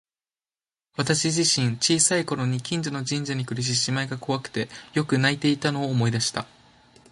私自身、小さい頃に近所の神社にくる獅子舞が怖くてよく泣いていたのを思い出した。